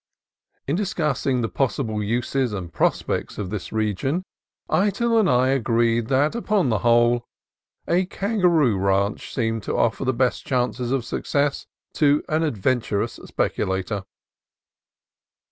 In discussing the possible uses and prospects of this region, Eytel and I agreed that upon the whole a kangaroo ranch seemed to offer the best chances of success to an adventurous speculator.